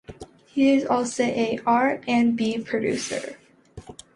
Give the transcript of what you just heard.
He is also a R and B producer.